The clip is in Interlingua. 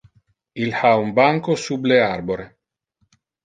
Il ha un banco sub le arbore.